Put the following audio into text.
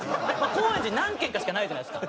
高円寺何軒かしかないじゃないですか。